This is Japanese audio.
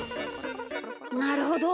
なるほど。